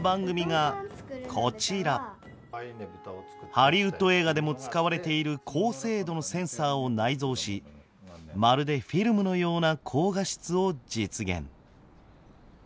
ハリウッド映画でも使われている高精度のセンサーを内蔵しまるでフィルムのような高画質を実現。